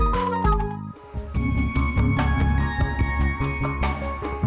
ikan asin jambal roti